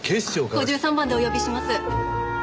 ５３番でお呼びします。